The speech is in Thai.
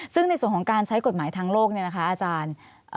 ซึ่งในส่วนของการใช้กฎหมายทางโลกเนี่ยนะคะอาจารย์